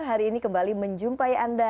hari ini kembali menjumpai anda